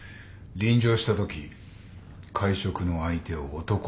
臨場したとき会食の相手を男だと見破ったな。